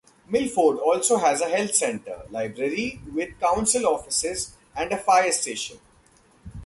Milford also has a health centre, library with council offices and a fire station.